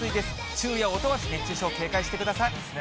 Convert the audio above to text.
昼夜を問わず熱中症、警戒してください。